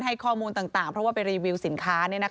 ให้ข้อมูลต่างเพราะว่าไปรีวิวสินค้า